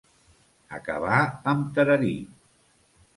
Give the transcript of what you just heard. Acabar amb tararí.